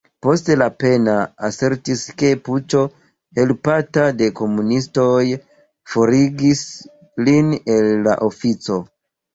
Poste Lapenna asertis ke "puĉo", helpata de komunistoj, forigis lin el la ofico.